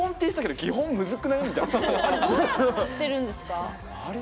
どうやってるんですか？